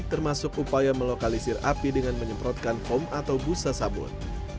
termasuk upaya melokalisir api dengan menyemprotkan foam atau busa sabun